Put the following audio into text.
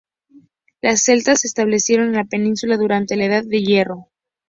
Los celtas se establecieron en la Península durante la Edad del Hierro.